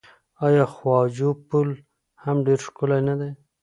آیا خواجو پل هم ډیر ښکلی نه دی؟